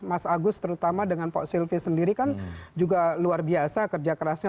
mas agus terutama dengan pak silvi sendiri kan juga luar biasa kerja kerasnya